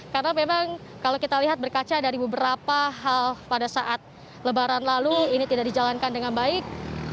karena memang kalau kita lihat berkaca dari beberapa hal pada saat lebaran lalu ini tidak dijalankan dengan baik